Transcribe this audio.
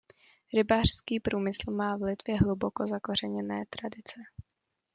Rybářský průmysl má v Litvě hluboko zakořeněné tradice.